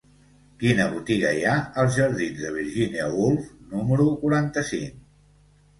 Quina botiga hi ha als jardins de Virginia Woolf número quaranta-cinc?